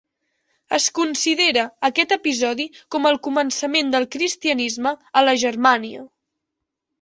Es considera aquest episodi com el començament del cristianisme a la Germània.